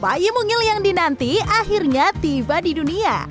bayi mungil yang dinanti akhirnya tiba di dunia